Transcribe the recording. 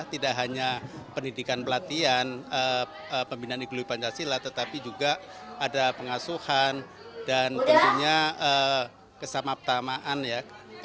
tidak hanya pendidikan pelatihan pembinaan ideologi pancasila tetapi juga ada pengasuhan dan tentunya kesamaptamaan ya